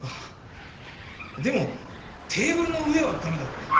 でもテーブルの上は駄目だろ。